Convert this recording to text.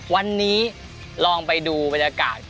วันนี้ลองไปดูบรรยากาศ